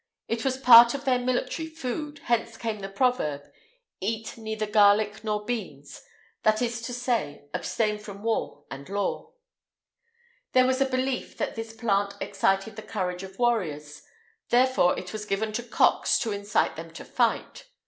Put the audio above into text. It was part of their military food hence came the proverb, "Eat neither garlic nor beans;" that is to say, abstain from war and law.[IX 185] There was a belief that this plant excited the courage of warriors; therefore, it was given to cocks to incite them to fight.